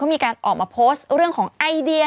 มีการออกมาโพสต์เรื่องของไอเดีย